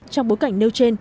trong bối cảnh nêu trên